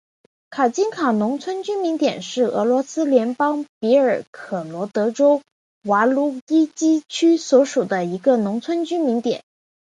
卡津卡农村居民点是俄罗斯联邦别尔哥罗德州瓦卢伊基区所属的一个农村居民点。